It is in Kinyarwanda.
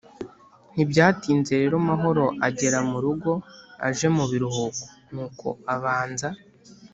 Ntibyatinze rero Mahoro agera mu rugo aje mu biruhuko. Nuko abanza